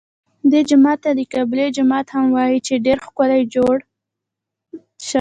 دې جومات ته د قبلې جومات هم وایي چې ډېر ښکلی جوړ شوی.